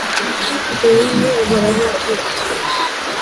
uwo ni uhoraho wabyivugiye.